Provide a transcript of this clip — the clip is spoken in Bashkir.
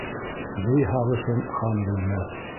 Бей һағышын хан белмәҫ